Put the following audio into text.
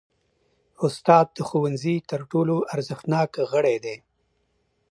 استاد د ښوونځي تر ټولو ارزښتناک غړی دی.